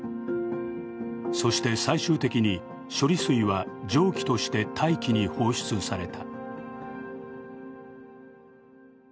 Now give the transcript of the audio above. そして最終的に処理水は蒸気として大気に放出された。